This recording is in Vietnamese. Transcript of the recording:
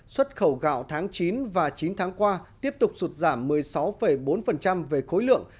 xuất khẩu gạo tháng chín và chín tháng qua tiếp tục sụt giảm một mươi sáu bốn về khối lượng